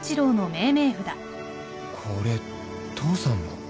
これ父さんの